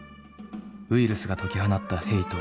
ウイルスが解き放ったヘイト